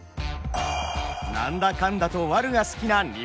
何だかんだとワルが好きな日本人。